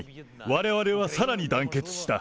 われわれはさらに団結した。